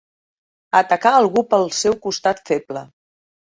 Atacar algú pel seu costat feble.